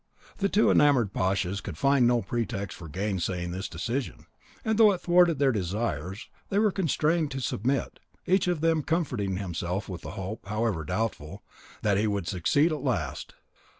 The two enamoured pashas could find no pretext for gainsaying this decision; and though it thwarted their desires, they were constrained to submit, each of them comforting himself with the hope, however doubtful, that he would succeed at last.